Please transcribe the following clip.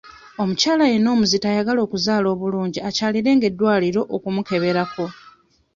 Omukyala yenna omuzito ayagala okuzaala obulungi akyalirenga eddwaliro okumukeberako.